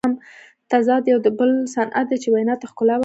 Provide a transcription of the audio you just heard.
تضاد یو بل صنعت دئ، چي وینا ته ښکلا ورکوي.